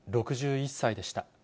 ６１歳でした。